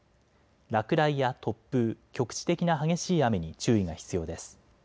落雷や突風、局地的な激しい雨に注意が必要です。